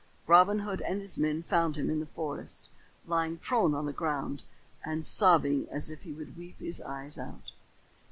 Robin Hood and his men found him in the forest, lying prone on the ground and sobbing as if he would weep his eyes out.